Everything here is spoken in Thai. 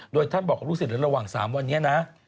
โดยท่านบอกครูสิทธิ์ระหว่าง๓วันนี้นะ